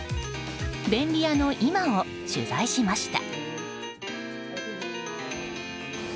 便利屋の今を取材しました。